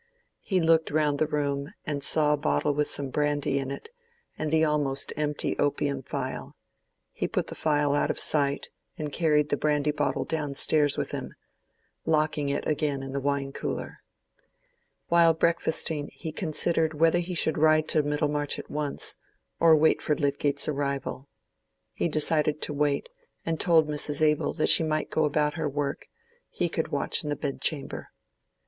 He looked round the room and saw a bottle with some brandy in it, and the almost empty opium phial. He put the phial out of sight, and carried the brandy bottle down stairs with him, locking it again in the wine cooler. While breakfasting he considered whether he should ride to Middlemarch at once, or wait for Lydgate's arrival. He decided to wait, and told Mrs. Abel that she might go about her work—he could watch in the bed chamber.